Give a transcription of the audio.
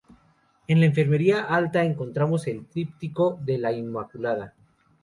En la enfermería alta encontramos el tríptico de la Inmaculada.